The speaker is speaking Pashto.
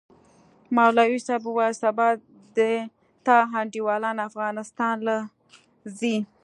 مولوي صاحب وويل سبا د تا انډيوالان افغانستان له زي.